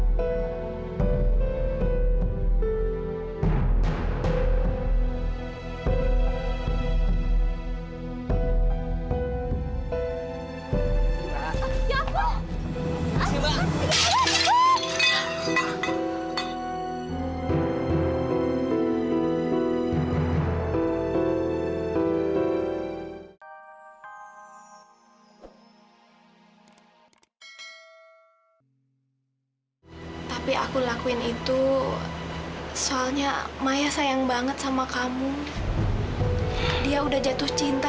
sampai jumpa di video selanjutnya